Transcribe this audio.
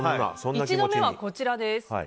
一度目はこちらです。